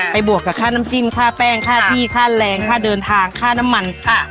บวกกับค่าน้ำจิ้มค่าแป้งค่าที่ค่าแรงค่าเดินทางค่าน้ำมัน